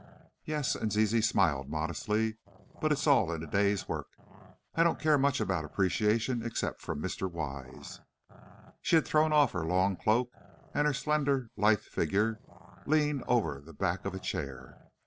"Yes," and Zizi smiled, modestly; "but it's all in the day's work. I don't care much about appreciation, except from Mr. Wise." She had thrown off her long cloak, and her slender, lithe little figure leaned over the back of a chair.